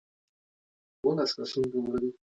ټول وس په کار واچاوه.